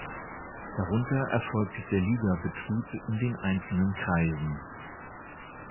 Darunter erfolgt der Ligabetrieb in den einzelnen Kreisen.